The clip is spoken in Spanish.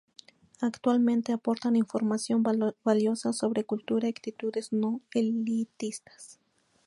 Actualmente aportan información valiosa sobre cultura y actitudes no elitistas.